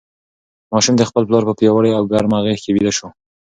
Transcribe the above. ماشوم د خپل پلار په پیاوړې او ګرمه غېږ کې ویده شو.